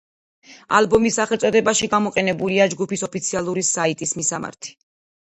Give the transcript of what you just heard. ალბომის სახელწოდებაში გამოყენებულია ჯგუფის ოფიციალური საიტის მისამართი.